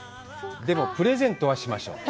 でも、プレゼントはしましょう。